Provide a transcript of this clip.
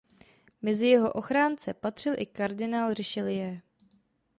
Mezi jeho ochránce patřil i kardinál Richelieu.